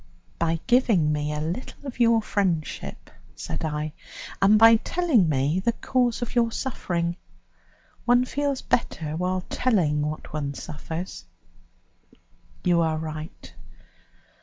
"By giving me a little of your friendship," said I, "and by telling me the cause of your suffering. One feels better while telling what one suffers." "You are right.